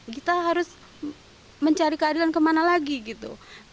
kita harus mencari keadilan kemana lagi gitu